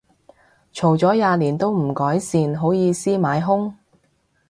嘈咗廿年都唔改善，好意思買兇